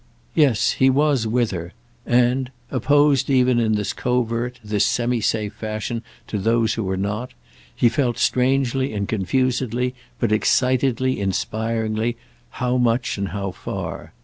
Yes, he was with her, and, opposed even in this covert, this semi safe fashion to those who were not, he felt, strangely and confusedly, but excitedly, inspiringly, how much and how far.